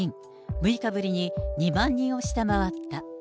６日ぶりに２万人を下回った。